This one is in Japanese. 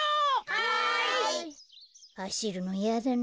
はい！はしるのいやだな。